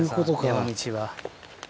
山道は。